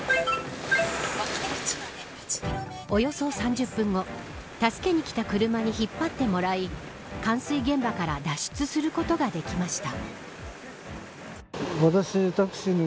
およそ３０分後助けに来た車に引っ張ってもらい冠水現場から脱出することができました。